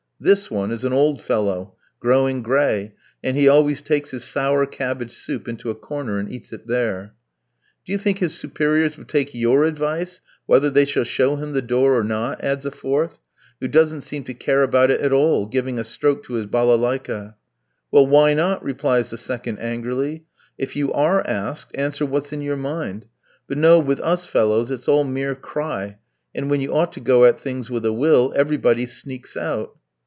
This one is an old fellow, growing gray, and he always takes his sour cabbage soup into a corner, and eats it there. "Do you think his superiors will take your advice whether they shall show him the door or not?" adds a fourth, who doesn't seem to care about it at all, giving a stroke to his balalaïka. "Well, why not?" replies the second angrily; "if you are asked, answer what's in your mind. But no, with us fellows it's all mere cry, and when you ought to go at things with a will, everybody sneaks out."